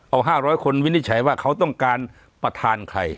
เอา๕๐๐คนวินิจฉัยว่าเขาต้องการประธานใคร